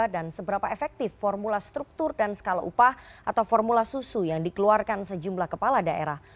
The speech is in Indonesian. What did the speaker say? dan seberapa efektif formula struktur dan skala upah atau formula susu yang dikeluarkan sejumlah kepala daerah